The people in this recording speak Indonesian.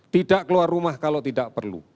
tidak keluar rumah kalau tidak perlu